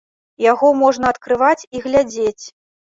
Яго можна адкрываць і глядзець.